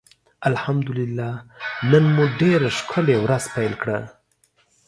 الحمدالله نن مو ډيره ښکلي ورځ پېل کړه.